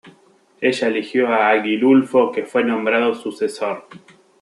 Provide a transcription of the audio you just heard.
Ella eligió a Agilulfo, que fue nombrado sucesor.